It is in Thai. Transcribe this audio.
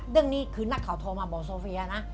เรื่องนี้คือนักข่าวโทรมาบอกโซเฟียนะ